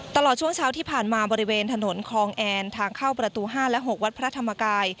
ตลอดช่วงเช้าที่ผ่านมาบริเวณถนนคลองแอนทางเข้าประตู๕และ๖วัดพระธรรมกาย